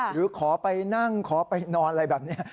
หรือขอไปนั่งขอไปนอนอะไรแบบนี้